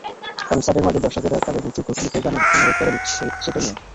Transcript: কনসার্টের মাঝে দর্শকেরা কাগজের চিরকুটে লিখে গানের অনুরোধ করবেন সেটাই নিয়ম।